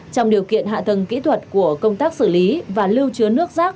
trong điều kiện hạ tầng kỹ thuật của công tác xử lý và lưu chứa nước rác